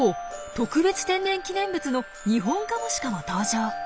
特別天然記念物のニホンカモシカも登場。